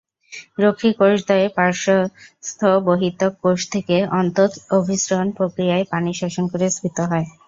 রক্ষীকোষদ্বয় পার্শ্বস্থ বহিঃত্বক কোষ থেকে অন্তঃঅভিস্রবণ প্রক্রিয়ায় পানি শোষণ করে স্ফীত হয়।